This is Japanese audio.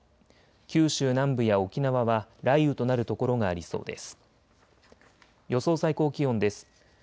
九州南部や沖縄は雷雨となる所がありそうです。